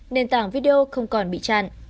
nền tảng video không còn bị chặn